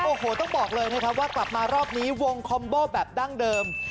โอ้โหต้องบอกเลยนะครับว่ากลับมารอบนี้วงคอมโบแบบดั้งเดิม